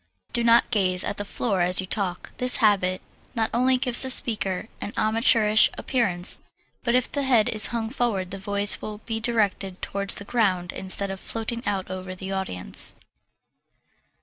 Do not gaze at the floor as you talk. This habit not only gives the speaker an amateurish appearance but if the head is hung forward the voice will be directed towards the ground instead of floating out over the audience.